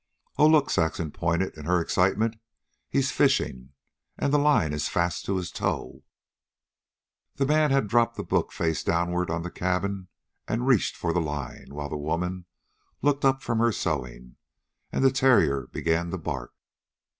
"Oh! Look!" Saxon pointed in her excitement. "He's fishing! And the line is fast to his toe!" The man had dropped the book face downward on the cabin and reached for the line, while the woman looked up from her sewing, and the terrier began to bark.